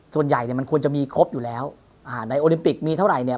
ส่วนใหญ่เนี่ยมันควรจะมีครบอยู่แล้วอ่าในโอลิมปิกมีเท่าไหร่เนี่ย